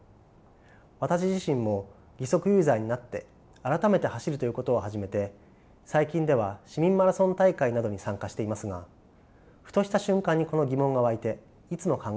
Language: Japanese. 私自身も義足ユーザーになって改めて走るということを始めて最近では市民マラソン大会などに参加していますがふとした瞬間にこの疑問が湧いていつも考えています。